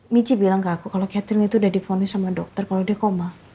michi bilang ke aku kalau catherine itu udah difonis sama dokter kalau dia koma